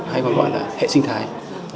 hay còn gọi là hệ sinh thái